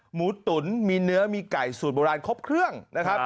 หมูตุ๋นมีเนื้อมีไก่สูตรโบราณครบเครื่องนะครับ